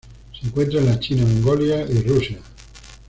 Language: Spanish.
Se encuentra en la China Mongolia y Rusia